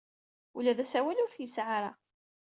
Ula d asawal ur t-yesɛi ara.